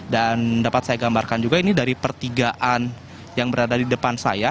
dan dapat saya gambarkan juga ini dari pertigaan yang berada di depan saya